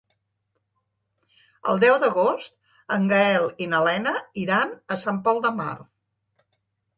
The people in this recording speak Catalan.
El deu d'agost en Gaël i na Lena iran a Sant Pol de Mar.